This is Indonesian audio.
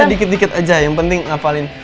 kita dikit dikit aja yang penting ngapalin